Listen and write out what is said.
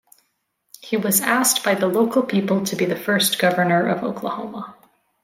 He was asked by the local people to be the first Governor of Oklahoma.